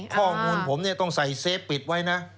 ข้อมูลผมต้องใส่เซฟปิดไว้นะ